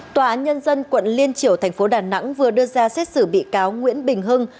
tòa án nhân dân quận liên triểu thành phố đà nẵng vừa đưa ra xét xử bị cáo nguyễn bình hưng